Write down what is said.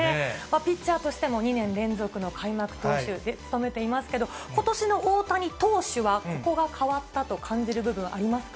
ピッチャーとしても２年連続の開幕投手務めていますけれども、ことしの大谷投手は、ここが変わったと感じる部分、ありますか？